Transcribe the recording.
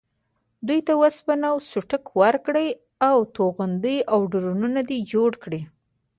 دوی ته وسپنه و څټک ورکړې او توغندي او ډرونونه دې جوړ کړي.